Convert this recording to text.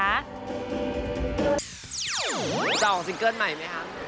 จะออกซิงเกิ้ลใหม่ไหมคะ